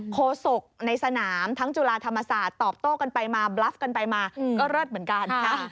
โศกในสนามทั้งจุฬาธรรมศาสตร์ตอบโต้กันไปมาบลับกันไปมาก็เลิศเหมือนกัน